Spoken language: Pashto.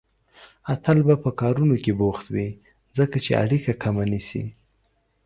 اتل به په کارونو کې بوخت وي، ځکه چې اړيکه کمه نيسي